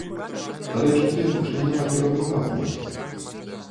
Рэч у тым, што няма кіраўніка ў нас.